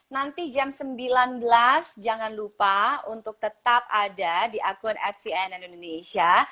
nanti jam sembilan belas jangan lupa untuk tetap ada di akun atcn indonesia